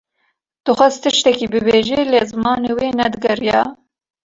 Dixwest tiştekî bibêje; lê zimanê wê ne digeriya.